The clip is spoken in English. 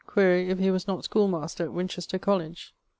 _: quaere if he was not schoolmaster at Winchester Colledge?